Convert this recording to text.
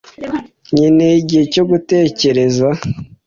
Nkeneye igihe cyo gutekereza.